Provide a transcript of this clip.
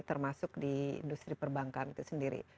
termasuk di industri perbankan itu sendiri